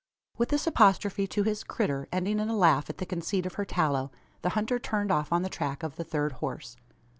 With this apostrophe to his "critter," ending in a laugh at the conceit of her "tallow," the hunter turned off on the track of the third horse.